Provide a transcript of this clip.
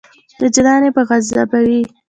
وجدان یې په عذابوي.